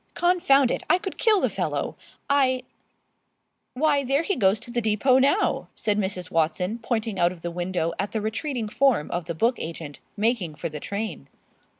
Confound it! I could kill the fellow. I " "Why, there he goes to the depot now," said Mrs. Watson, pointing out of the window at the retreating form of the book agent making for the train.